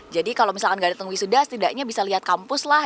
jadi kalau misalkan gak datang wisuda setidaknya bisa lihat kampus lah